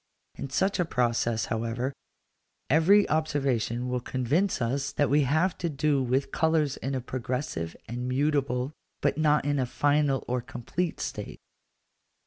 In such a process, however, every observation will convince us that we have to do with colours in a progressive and mutable, but not in a final or complete, state.